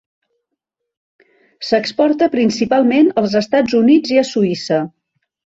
S'exporta principalment als Estats Units i a Suïssa.